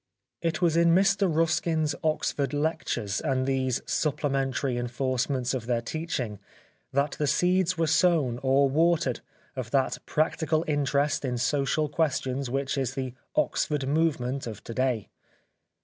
It was in Mr Ruskin's Oxford Lectures and these supplementary enforcements of their teaching that the seeds were sown or watered, of that practical interest in social questions which is the ' Oxford movement of to day.'